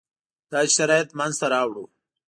داسې شرایط منځته راوړو.